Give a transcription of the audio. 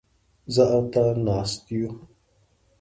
زه او ته ناست يوو.